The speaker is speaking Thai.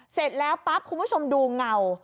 เสร็จแล้วปั๊บคุณผู้ชมดูเงา